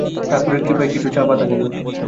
ঠাকুরের কৃপায় কিছু চাপা থাকে না।